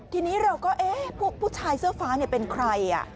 ทีนี้เราก็เอ๊ะผู้ชายเสื้อฟ้าเป็นใคร